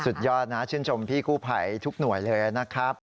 สุดยอดนะชื่นชมพี่กู้ภัยทุกหน่วยเลยนะครับ